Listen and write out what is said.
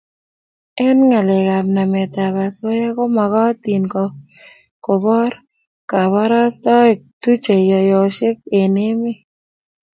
eng ghalek ap namet ap osoya komakatin kopor kaparastaik tuche yoyoksei eng emet